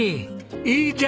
いいじゃん。